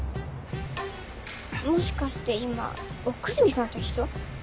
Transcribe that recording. もしかして今奥泉さんと一緒？